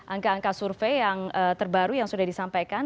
angka angka survei yang terbaru yang sudah disampaikan